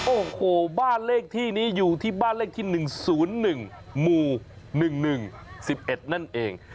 โอ้โหบ้านเลขที่นี้อยู่ที่บ้านเลขที่๑๐๑หมู่๑๑๑๑นั่นเอง